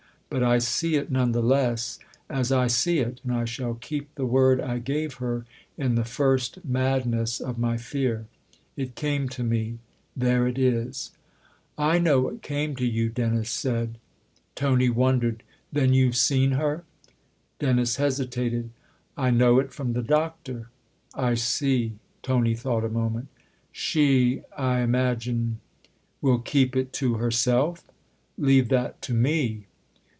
But I see it, none the less, as I see it, and I shall keep the word I gave her in the first madness of my fear. It came to me there THE OTHER HOUSE 297 " I know what came to you," Dennis said. Tony wondered. " Then you've seen her ?" Dennis hesitated. " I know it from the Doctor." " I see " Tony thought a moment. " She, I imagine " "Will keep it to herself? Leave that to me!"